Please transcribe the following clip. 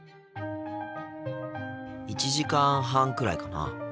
１時間半くらいかな。